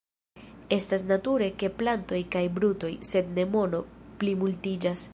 Estas nature ke plantoj kaj brutoj, sed ne mono, plimultiĝas.